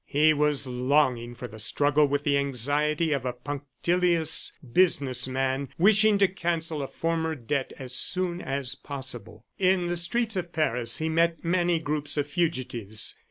... He was longing for the struggle with the anxiety of a punctilious business man wishing to cancel a former debt as soon as possible. In the streets of Paris he met many groups of fugitives.